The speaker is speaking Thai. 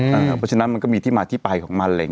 เพราะฉะนั้นมันก็มีที่มาที่ไปของมะเร็ง